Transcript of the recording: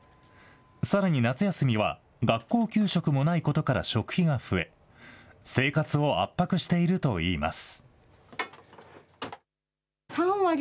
さらに夏休みは学校給食もないことから食費が増え、生活を圧迫しているといいます。